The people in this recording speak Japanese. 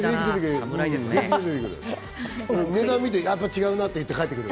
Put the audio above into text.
値段見て、やっぱ違うなって言って帰ってくる。